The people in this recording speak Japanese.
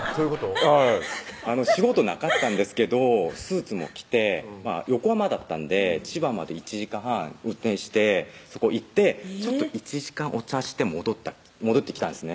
はい仕事なかったんですけどスーツも着て横浜だったんで千葉まで１時間半運転してそこ行って１時間お茶して戻ってきたんですね